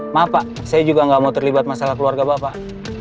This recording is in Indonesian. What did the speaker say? maaf pak saya juga gak mau terlibat masalah keluarga bapak